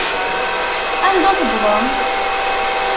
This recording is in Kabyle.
Anda tewḍem?